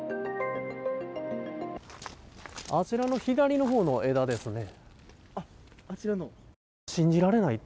あちらの左の方の枝ですね。